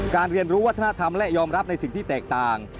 เรียนรู้วัฒนธรรมและยอมรับในสิ่งที่แตกต่าง